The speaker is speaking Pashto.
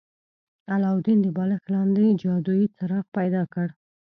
علاوالدین د بالښت لاندې جادويي څراغ پیدا کړ.